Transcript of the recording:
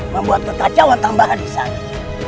membuat kekacauan tambahan di sana